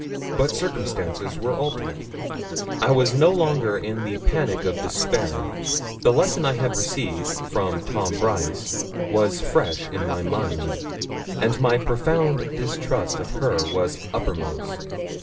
But circumstances were altered. I was no longer in the panic of despair. The lesson I had received from Tom Brice was fresh in my mind, and my profound distrust of her was uppermost.